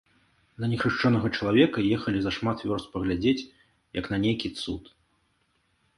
На нехрышчонага чалавека ехалі за шмат вёрст паглядзець, як на нейкі цуд.